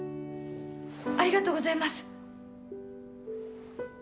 ありがとうございます！